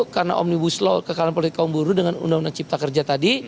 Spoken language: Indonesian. karena omnibus law kekalahan politik kaum buruh dengan undang undang cipta kerja tadi